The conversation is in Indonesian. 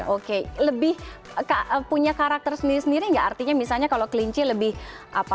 oke lebih punya karakter sendiri sendiri nggak artinya misalnya kalau kelinci lebih apa